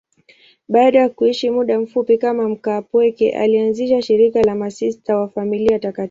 Baada ya kuishi muda mfupi kama mkaapweke, alianzisha shirika la Masista wa Familia Takatifu.